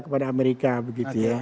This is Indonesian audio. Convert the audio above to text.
pada amerika begitu ya